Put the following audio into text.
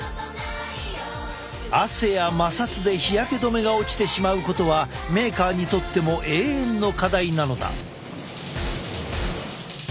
汗や摩擦で日焼け止めが落ちてしまうことはメーカーにとっても永遠の課題なのだ。